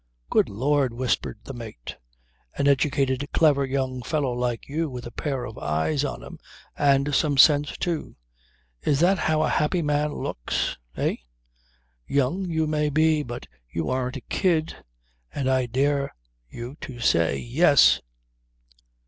"Good Lord!" whispered the mate. "An educated, clever young fellow like you with a pair of eyes on him and some sense too! Is that how a happy man looks? Eh? Young you may be, but you aren't a kid; and I dare you to say 'Yes!'"